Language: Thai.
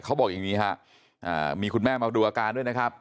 เขาบอกอย่างนี้ฮะมีคุณแม่มาดูอาการด้วยนะครับ